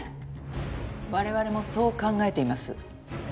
我々もそう考えています。